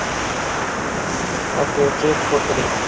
তাকে চেক করতে দে।